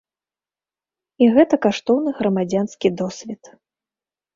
І гэта каштоўны грамадзянскі досвед.